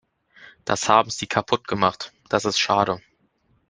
Das haben Sie kaputt gemacht, das ist schade!